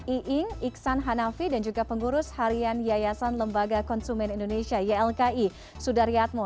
iing iksan hanafi dan juga pengurus harian yayasan lembaga konsumen indonesia ylki sudaryatmo